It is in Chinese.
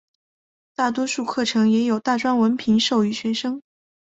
大多数课程也有大专文凭授予学生。